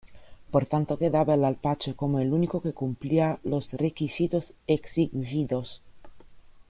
Por tanto, quedaba el Apache como el único que cumplía con los requisitos exigidos.